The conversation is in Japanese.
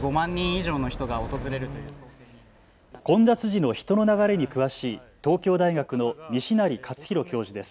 混雑時の人の流れに詳しい東京大学の西成活裕教授です。